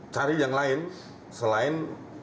cari yang lain selain